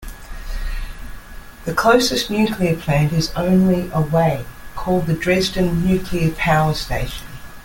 The closest nuclear plant is only away, called the Dresden Nuclear Power Station.